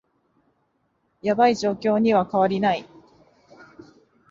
ヤバい状況には変わりない